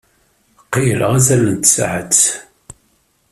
Qeyyleɣ azal n tsaɛet.